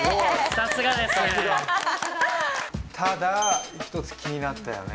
さすがただ１つ気になったよね